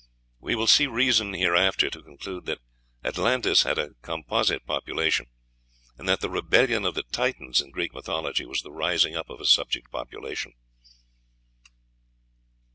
We will see reason hereafter to conclude that Atlantis had a composite population, and that the rebellion of the Titans in Greek mythology was the rising up of a subject population.